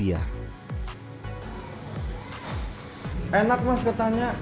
ketan penco enak enak mas ketannya